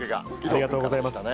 ありがとうございます。